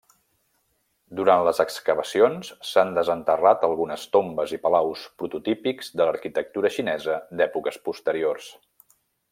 Durant les excavacions s'han desenterrat algunes tombes i palaus prototípics de l'arquitectura xinesa d'èpoques posteriors.